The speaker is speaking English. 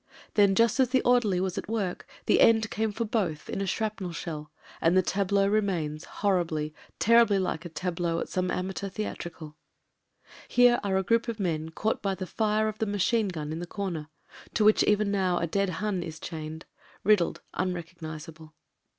Then just as the orderly was at work, the end came for both in a shrapnel shell, and tbt tableau remains, horribly, terribly like a tableau at some amateur theatricals. Here are a group of men caught by the fire of the machine gun in the comer, to which even now a dead Hun is chained — ^riddled, unrecognisable.